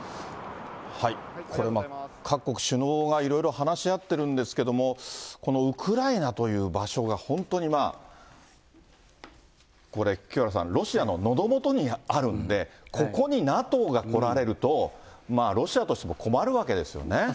各国首脳がいろいろ話し合ってるんですけども、このウクライナという場所が、本当にまあ、これ、清原さん、ロシアののど元にあるんで、ここにＮＡＴＯが来られると、ロシアとしても困るわけですよね。